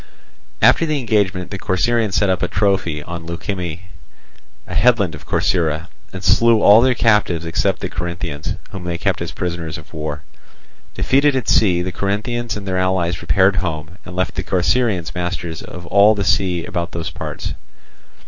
After the engagement the Corcyraeans set up a trophy on Leukimme, a headland of Corcyra, and slew all their captives except the Corinthians, whom they kept as prisoners of war. Defeated at sea, the Corinthians and their allies repaired home, and left the Corcyraeans masters of all the sea about those parts.